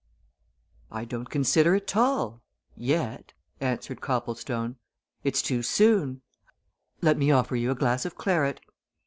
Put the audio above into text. "I don't consider at all yet," answered Copplestone. "It's too soon. Let me offer you a glass of claret."